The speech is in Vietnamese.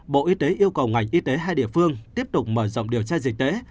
bộ y tế yêu cầu ngành y tế hai địa phương tiếp tục mở rộng điều tra dịch tễ